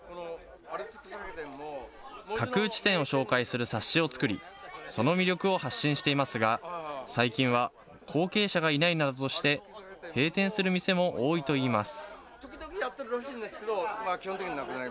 角打ち店を紹介する冊子を作り、その魅力を発信していますが、最近は後継者がいないなどとして、閉店する店も多いといいます。